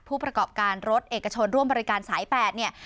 ผู้ประกอบการรถเอกชนร่วมบริการสาย๘เนี่ย